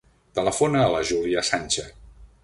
Telefona a la Júlia Sancha.